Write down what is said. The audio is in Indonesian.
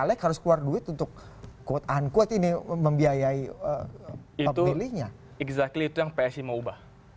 exactly itu yang psi mau ubah